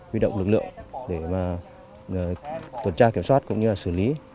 vi động lực lượng để tuần tra kiểm soát cũng như xử lý